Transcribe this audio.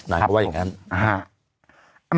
เขาว่าอย่างนั้น